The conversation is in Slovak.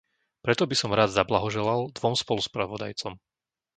Preto by som rád zablahoželal dvom spoluspravodajcom.